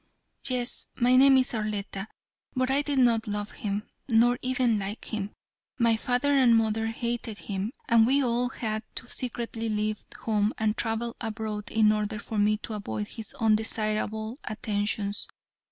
Yes, my name is Arletta, but I did not love him, nor even like him. My father and mother hated him, and we all had to secretly leave home and travel abroad in order for me to avoid his undesirable attentions.